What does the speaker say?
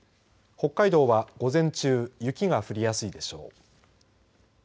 北海道は午前中雪が降りやすいでしょう。